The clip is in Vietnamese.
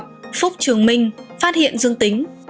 phúc trường minh phát hiện dương tính